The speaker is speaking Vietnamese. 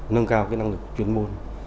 nâng cao cái năng lực chuyên môn